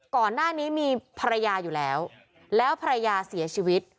ก่อนหน้านี้มีภรรยาอยู่แล้วแล้วภรรยาเสียชีวิต